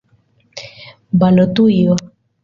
Balotujo.